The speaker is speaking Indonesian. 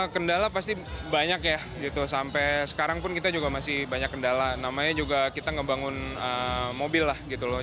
kendala pasti banyak ya gitu sampai sekarang pun kita juga masih banyak kendala namanya juga kita ngebangun mobil lah gitu loh